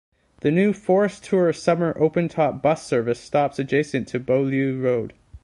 The New Forest Tour summer open top bus service stops adjacent to Beaulieu Road.